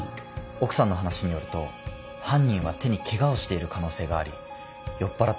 奥さんの話によると犯人は手にケガをしている可能性があり酔っ払ってる様子だった。